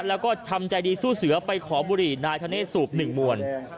แล้วก็ทำใจดีสู้เสือไปขอบุหรี่นายธเนธสูบหนึ่งมวล